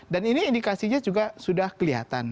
dan ini indikasinya juga sudah kelihatan